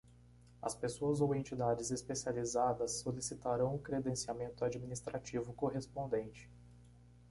As pessoas ou entidades especializadas solicitarão o credenciamento administrativo correspondente.